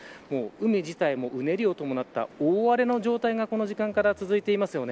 海自体も、うねりを伴った大荒れの状態がこの時間から続いています。